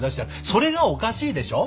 それがおかしいでしょ？